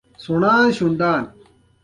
پيژو د موټرو په صنعت کې د کیفیت معیار ټاکي.